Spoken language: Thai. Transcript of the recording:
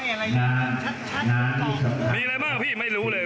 แล้วก็นานี่สำคัญมีอะไรบ้างพี่ไม่รู้เลย